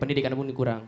pendidikan pun kurang